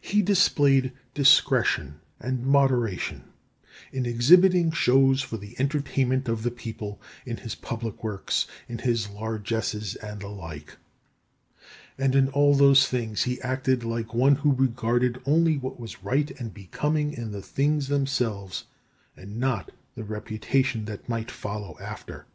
He displayed discretion and moderation in exhibiting shows for the entertainment of the people, in his public works, in largesses and the like; and in all those things he acted like one who regarded only what was right and becoming in the things themselves, and not the reputation that might follow after.